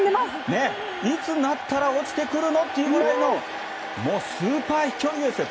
いつになったら落ちてくるの？というくらいのもう、スーパー飛距離ですよ。